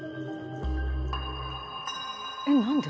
えっ何で？